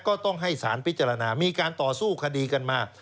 ก็ต้องให้สารพิจารณามีการต่อสู้คดีกันมา